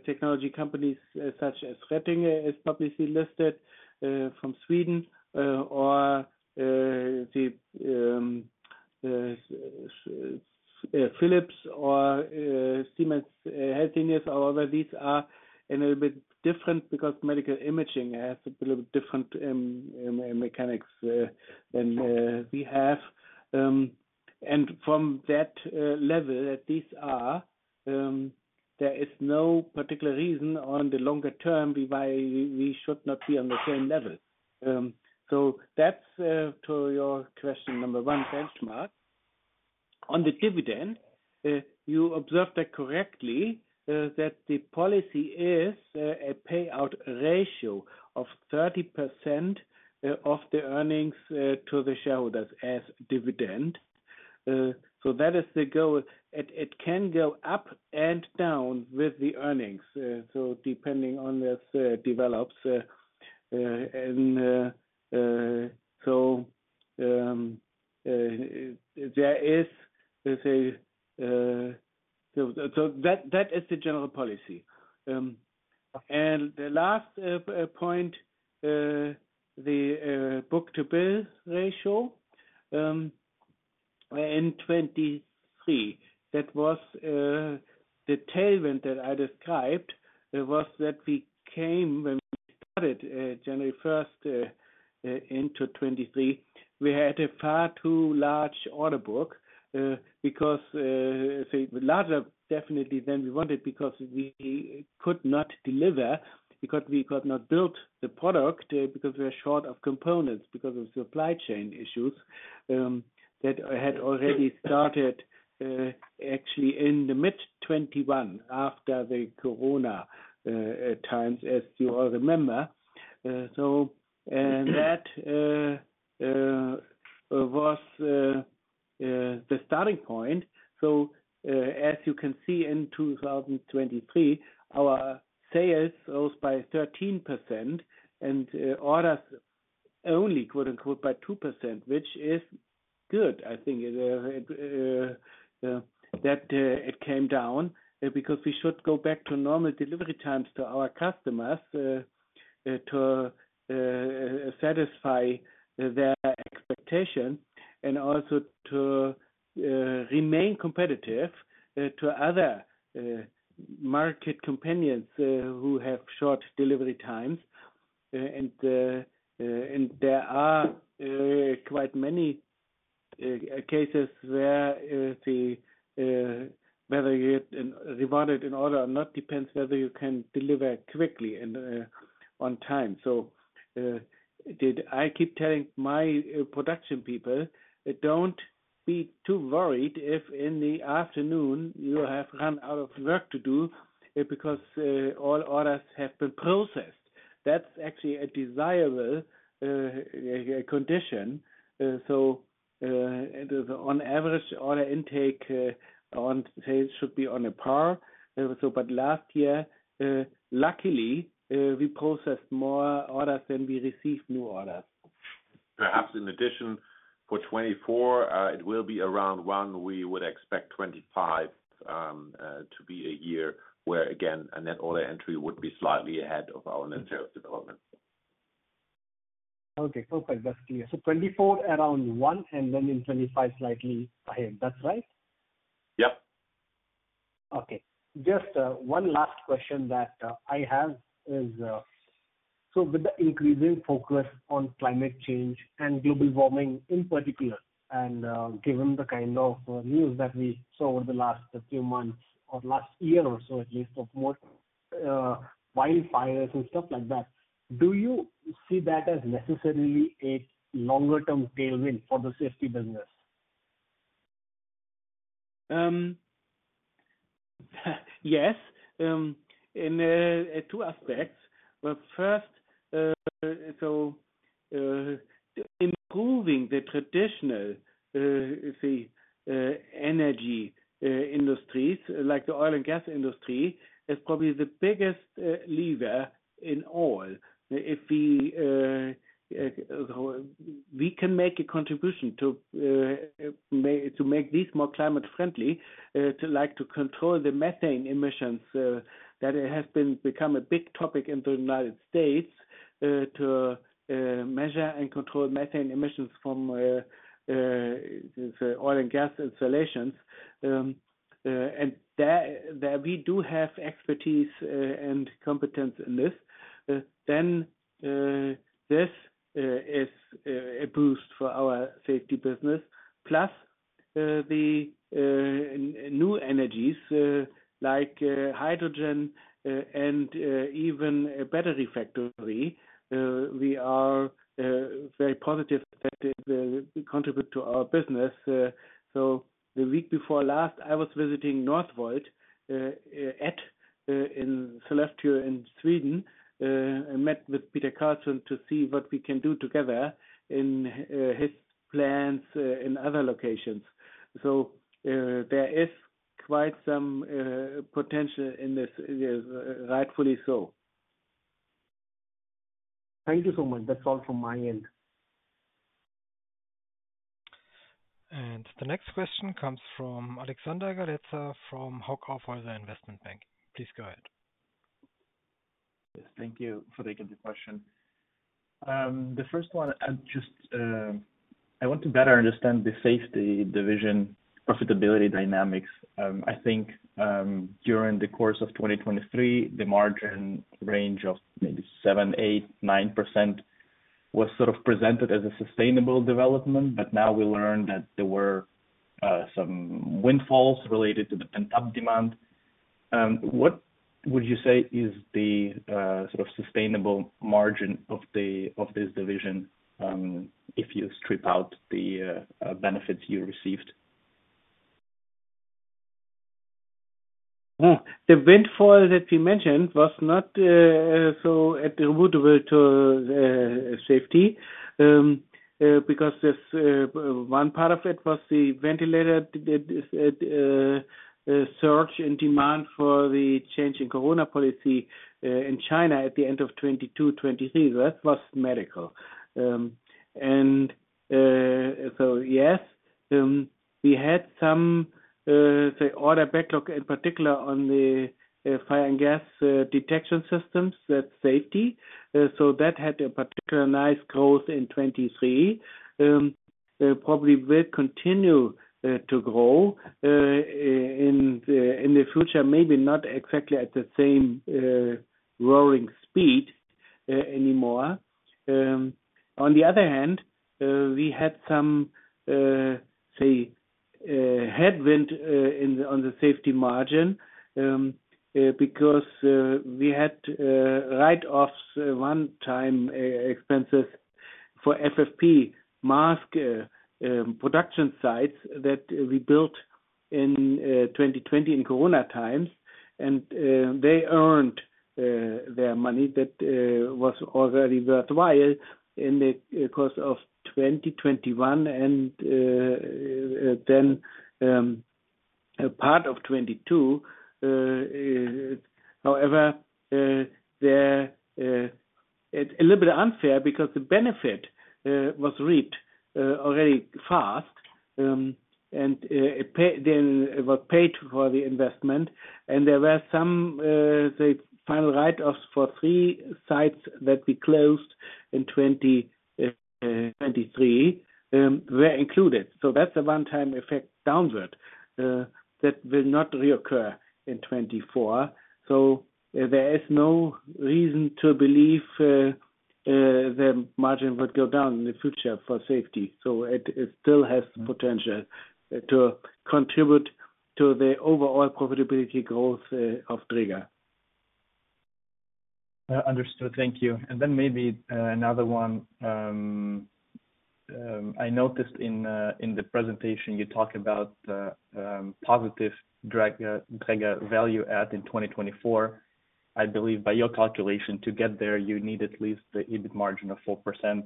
technology companies such as Getinge is publicly listed from Sweden or Philips or Siemens Healthineers. However, these are a little bit different because medical imaging has a little bit different mechanics than we have. And from that level that these are, there is no particular reason on the longer term why we should not be on the same level. So that's to your question number one, benchmark. On the dividend, you observed that correctly, that the policy is a payout ratio of 30% of the earnings to the shareholders as dividend. So that is the goal. It can go up and down with the earnings, so depending on this develops. And so there is, say so that is the general policy. The last point, the book-to-bill ratio in 2023, that was the tailwind that I described, was that we came when we started January 1st into 2023, we had a far too large order book because, say, larger definitely than we wanted because we could not deliver because we could not build the product because we were short of components because of supply chain issues that had already started actually in the mid-2021 after the corona times, as you all remember. That was the starting point. As you can see, in 2023, our sales rose by 13% and orders only by 2%, which is good, I think, that it came down because we should go back to normal delivery times to our customers to satisfy their expectation and also to remain competitive to other market competitors who have short delivery times. There are quite many cases where whether you get rewarded in order or not depends whether you can deliver quickly and on time. So I keep telling my production people, "Don't be too worried if in the afternoon, you have run out of work to do because all orders have been processed." That's actually a desirable condition. So on average, order intake on sales should be on a par. But last year, luckily, we processed more orders than we received new orders. Perhaps in addition, for 2024, it will be around 1. We would expect 2025 to be a year where, again, a net order entry would be slightly ahead of our net sales development. Okay. Perfect. That's clear. So 2024, around 1, and then in 2025, slightly ahead. That's right? Yep. Okay. Just one last question that I have is, so with the increasing focus on climate change and global warming in particular, and given the kind of news that we saw over the last few months or last year or so at least of wildfires and stuff like that, do you see that as necessarily a longer-term tailwind for the safety business? Yes, in two aspects. First, so improving the traditional energy industries like the oil and gas industry is probably the biggest lever in all. If we can make a contribution to make these more climate-friendly, to control the methane emissions that has become a big topic in the United States, to measure and control methane emissions from oil and gas installations, and there we do have expertise and competence in this, then this is a boost for our safety business. Plus, the new energies like hydrogen and even a battery factory, we are very positive that it will contribute to our business. So the week before last, I was visiting Northvolt in Skellefteå in Sweden and met with Peter Carlsson to see what we can do together in his plans in other locations. So there is quite some potential in this, rightfully so. Thank you so much. That's all from my end. And the next question comes from Alexander Galitsa from Hauck Aufhäuser Investment Bank. Please go ahead. Yes. Thank you for taking the question. The first one, I want to better understand the safety division profitability dynamics. I think during the course of 2023, the margin range of maybe 7%, 8%, 9% was sort of presented as a sustainable development. But now we learned that there were some windfalls related to the pent-up demand. What would you say is the sort of sustainable margin of this division if you strip out the benefits you received? The windfall that we mentioned was not so attributable to safety because one part of it was the ventilator surge in demand for the change in corona policy in China at the end of 2022, 2023. That was medical. And so yes, we had some, say, order backlog in particular on the fire and gas detection systems, that safety. So that had a particular nice growth in 2023, probably will continue to grow in the future, maybe not exactly at the same roaring speed anymore. On the other hand, we had some, say, headwind on the safety margin because we had write-offs, one-time expenses for FFP mask production sites that we built in 2020 in corona times. And they earned their money. That was already worthwhile in the course of 2021 and then part of 2022. However, it's a little bit unfair because the benefit was reaped already fast and then was paid for the investment. And there were some, say, final write-offs for 3 sites that we closed in 2023 were included. So that's a one-time effect downward that will not reoccur in 2024. So there is no reason to believe the margin would go down in the future for safety. So it still has potential to contribute to the overall profitability growth of Dräger. Understood. Thank you. And then maybe another one. I noticed in the presentation, you talk about positive Dräger Value Added in 2024. I believe by your calculation, to get there, you need at least the EBIT margin of 4%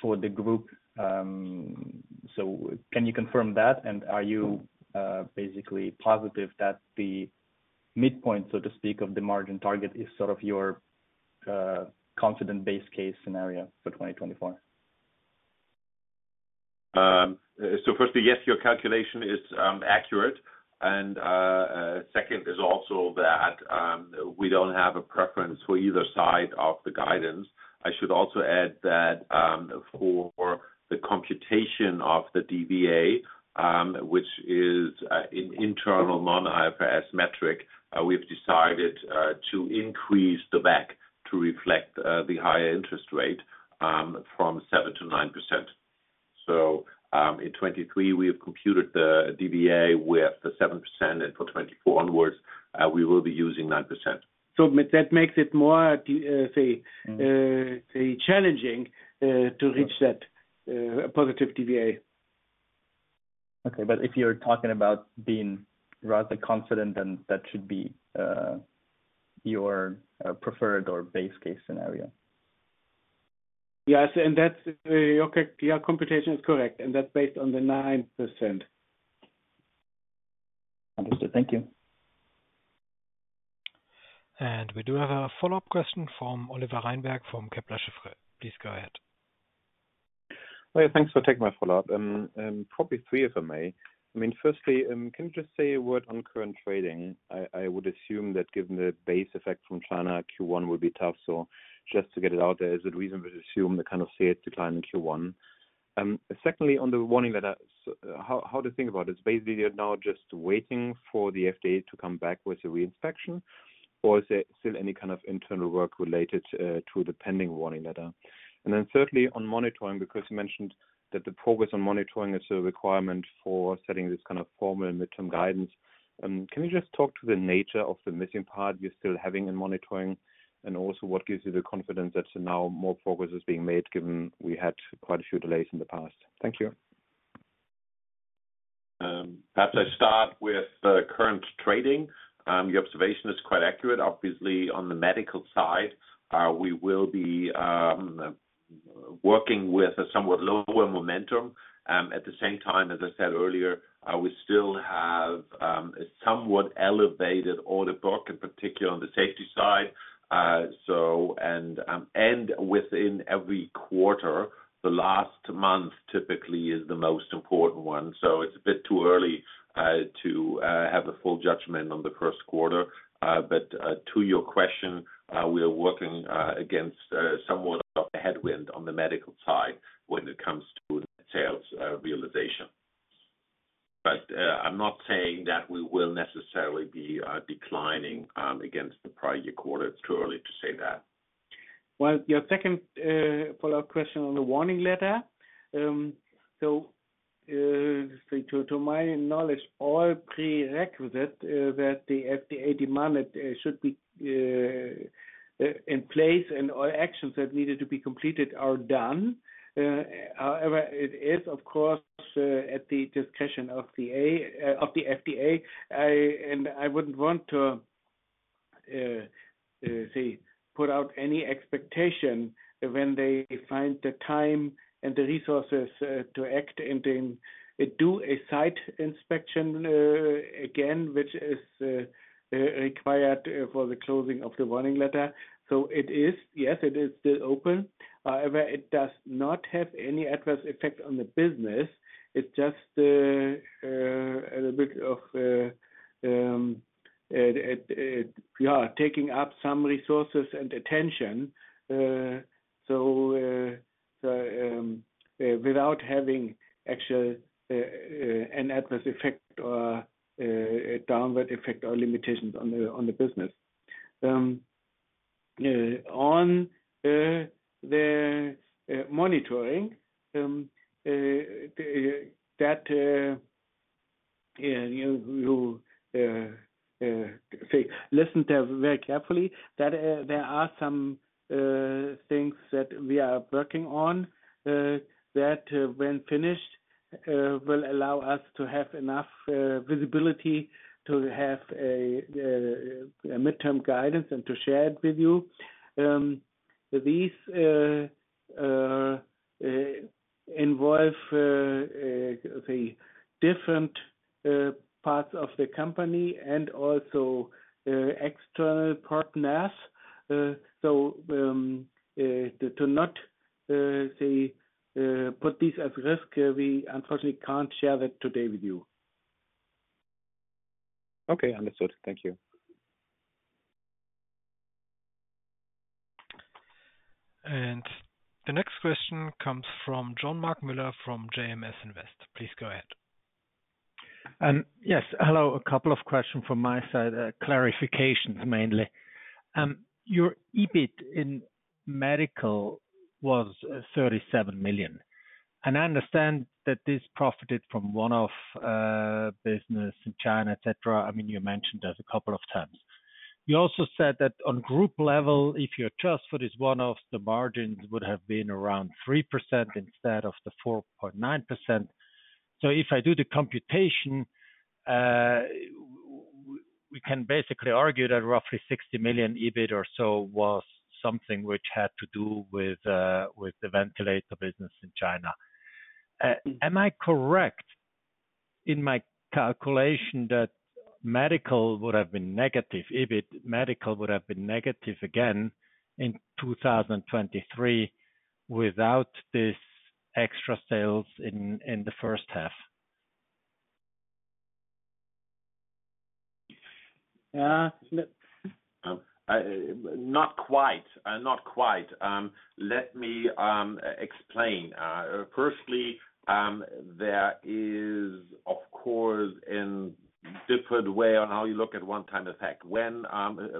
for the group. So can you confirm that? Are you basically positive that the midpoint, so to speak, of the margin target is sort of your confident base case scenario for 2024? So firstly, yes, your calculation is accurate. And second is also that we don't have a preference for either side of the guidance. I should also add that for the computation of the DVA, which is an internal non-IFRS metric, we've decided to increase the WACC to reflect the higher interest rate from 7%-9%. So in 2023, we have computed the DVA with the 7%. And for 2024 onwards, we will be using 9%. So that makes it more, say, challenging to reach that positive DVA. Okay. But if you're talking about being rather confident, then that should be your preferred or base case scenario. Yes. And your computation is correct. And that's based on the 9%. Understood. Thank you. And we do have a follow-up question from Oliver Reinberg from Kepler Cheuvreux. Please go ahead. Yeah. Thanks for taking my follow-up. Probably three if I may. I mean, firstly, can you just say a word on current trading? I would assume that given the base effect from China, Q1 will be tough. So just to get it out there, is it reasonable to assume the kind of CA decline in Q1? Secondly, on the Warning Letter, how to think about it? Is basically you're now just waiting for the FDA to come back with a reinspection, or is there still any kind of internal work related to the pending Warning Letter? And then thirdly, on monitoring, because you mentioned that the progress on monitoring is a requirement for setting this kind of formal midterm guidance, can you just talk to the nature of the missing part you're still having in monitoring and also what gives you the confidence that now more progress is being made given we had quite a few delays in the past? Thank you. Perhaps I start with current trading. Your observation is quite accurate. Obviously, on the medical side, we will be working with a somewhat lower momentum. At the same time, as I said earlier, we still have a somewhat elevated order book, in particular on the safety side. And within every quarter, the last month typically is the most important one. So it's a bit too early to have a full judgment on the first quarter. But to your question, we are working against somewhat of a headwind on the medical side when it comes to sales realization. But I'm not saying that we will necessarily be declining against the prior year quarter. It's too early to say that. Well, your second follow-up question on the warning letter. So to my knowledge, all prerequisites that the FDA demanded should be in place, and all actions that needed to be completed are done. However, it is, of course, at the discretion of the FDA. And I wouldn't want to, say, put out any expectation when they find the time and the resources to act and then do a site inspection again, which is required for the closing of the warning letter. So yes, it is still open. However, it does not have any adverse effect on the business. It's just a little bit of, yeah, taking up some resources and attention without having actually an adverse effect or a downward effect or limitations on the business. On the monitoring, that you listen to very carefully, that there are some things that we are working on that, when finished, will allow us to have enough visibility to have a midterm guidance and to share it with you. These involve, say, different parts of the company and also external partners. So to not, say, put these at risk, we unfortunately can't share that today with you. Okay. Understood. Thank you. And the next question comes from Jean-Marc Müller from JMS Invest. Please go ahead. Yes. Hello. A couple of questions from my side, clarifications mainly. Your EBIT in medical was 37 million. And I understand that this profited from one-off business in China, etc. I mean, you mentioned that a couple of times. You also said that on group level, if you adjust for this one-off, the margins would have been around 3% instead of the 4.9%. So if I do the computation, we can basically argue that roughly 60 million EBIT or so was something which had to do with the ventilator business in China. Am I correct in my calculation that medical would have been negative EBIT, medical would have been negative again in 2023 without these extra sales in the first half? Not quite. Not quite. Let me explain. Firstly, there is, of course, a different way on how you look at one-time effect. When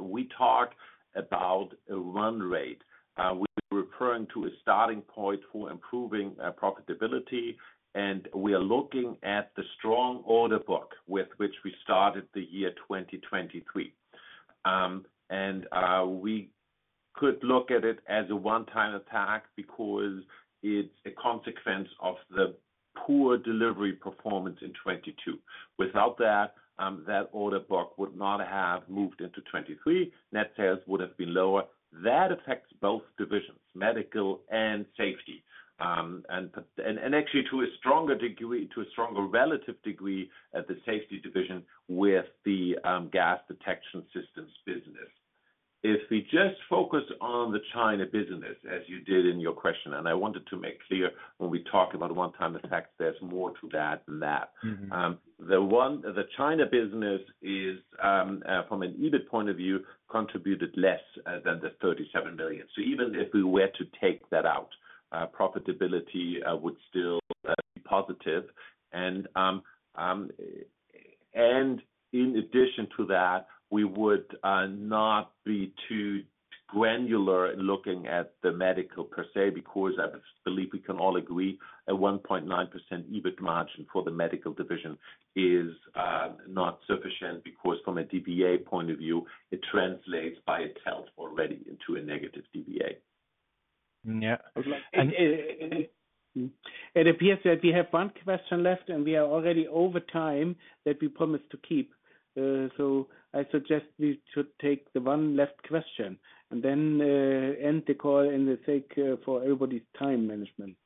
we talk about a run rate, we're referring to a starting point for improving profitability. And we are looking at the strong order book with which we started the year 2023. We could look at it as a one-time attack because it's a consequence of the poor delivery performance in 2022. Without that, that order book would not have moved into 2023. Net sales would have been lower. That affects both divisions, medical and safety, and actually to a stronger degree, to a stronger relative degree at the safety division with the gas detection systems business. If we just focus on the China business, as you did in your question - and I wanted to make clear when we talk about one-time effects, there's more to that than that - the China business is, from an EBIT point of view, contributed less than the 37 million. So even if we were to take that out, profitability would still be positive. In addition to that, we would not be too granular in looking at the medical per se because I believe we can all agree a 1.9% EBIT margin for the medical division is not sufficient because, from a DVA point of view, it translates by itself already into a negative DVA. Yeah. It appears that we have one question left, and we are already over time that we promised to keep. I suggest we should take the one left question and then end the call for everybody's time management.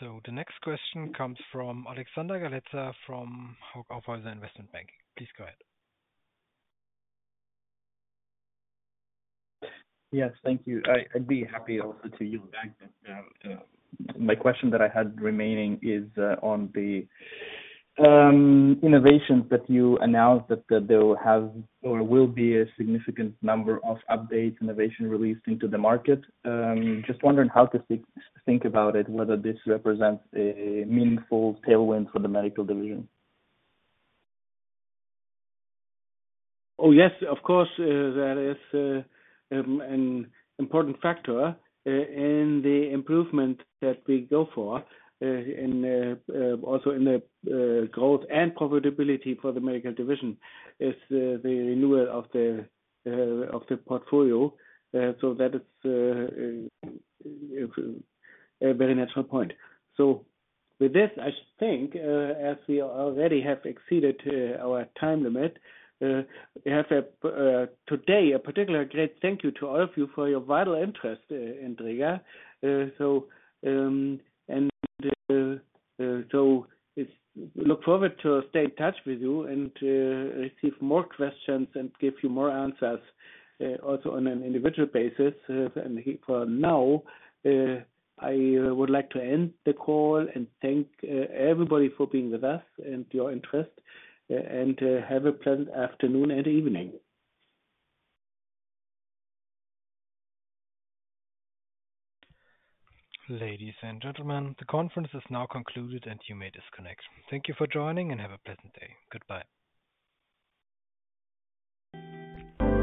The next question comes from Alexander Galitsa from Hauck Aufhäuser Investment Bank. Please go ahead. Yes. Thank you. I'd be happy also to yield back. My question that I had remaining is on the innovations that you announced that there will be a significant number of updates, innovation released into the market. Just wondering how to think about it, whether this represents a meaningful tailwind for the medical division. Oh, yes. Of course, that is an important factor. And the improvement that we go for, also in the growth and profitability for the medical division, is the renewal of the portfolio. So that is a very natural point. So with this, I think, as we already have exceeded our time limit, today, a particular great thank you to all of you for your vital interest in Dräger. And so look forward to stay in touch with you and receive more questions and give you more answers also on an individual basis. And for now, I would like to end the call and thank everybody for being with us and your interest. And have a pleasant afternoon and evening. Ladies and gentlemen, the conference is now concluded, and you may disconnect. Thank you for joining and have a pleasant day. Goodbye.